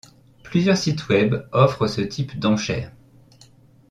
Plusieurs sites Web offrent ce type d'enchère.